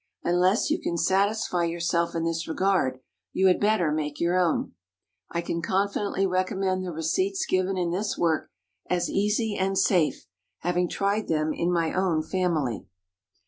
Unless you can satisfy yourself in this regard, you had better make your own. I can confidently recommend the receipts given in this work as easy and safe, having tried them in my own family.